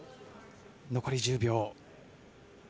残り１０秒。